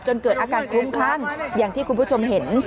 เกิดอาการคลุ้มคลั่งอย่างที่คุณผู้ชมเห็น